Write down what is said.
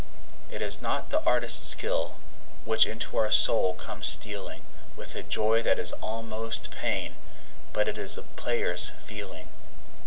It is not the artist's skill which into our soul comes stealing With a joy that is almost pain, but it is the player's feeling.